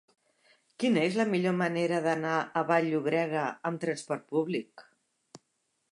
Quina és la millor manera d'anar a Vall-llobrega amb trasport públic?